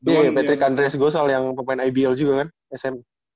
di patrick andreas gosal yang pemain ibl juga kan sma